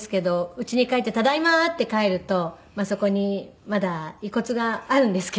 家に帰って「ただいま」って帰るとそこにまだ遺骨があるんですけど。